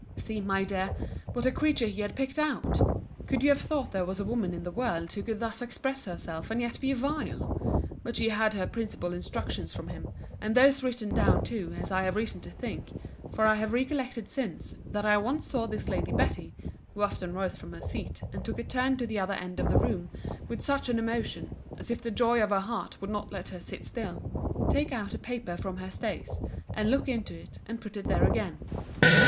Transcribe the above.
See, my dear, what a creature he had picked out! Could you have thought there was a woman in the world who could thus express herself, and yet be vile? But she had her principal instructions from him, and those written down too, as I have reason to think: for I have recollected since, that I once saw this Lady Betty, (who often rose from her seat, and took a turn to the other end of the room with such an emotion, as if the joy of her heart would not let her sit still) take out a paper from her stays, and look into it, and put it there again.